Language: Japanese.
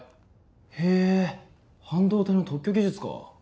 へぇ半導体の特許技術か。